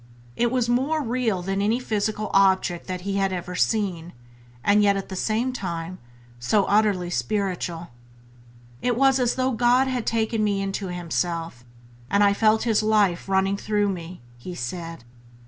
It was more real than any physical object that he had ever seen, and yet at the same time so utterly spiritual. "It was as though God had taken me into Himself, and I felt His Life running through me", he said.